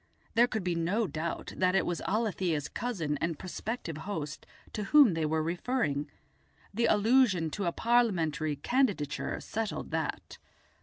There could be no doubt that it was Alethia's cousin and prospective host to whom they were referring; the allusion to a Parliamentary candidature settled that.